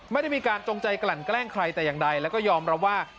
ไม่ได้มีการจงใจกลั่นแกล้งใครแต่อย่างใดแล้วก็ยอมรับว่า